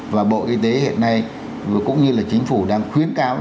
và bộ y tế hiện nay cũng như là chính phủ đang khuyến cáo